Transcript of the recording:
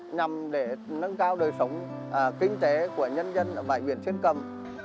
nhằm để nâng cao đời sống kinh tế của nhân dân ở bãi biển xuyên cầm